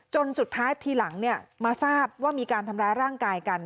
จนสุดท้ายทีหลังมาทราบว่ามีการทำร้ายร่างกายกัน